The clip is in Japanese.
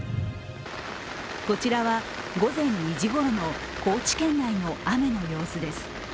こちらは午前２時ごろの高知県内の雨の様子です。